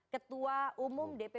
ketua umum dp